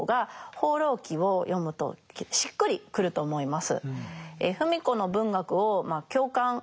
「放浪記」を読むとしっくりくると思います。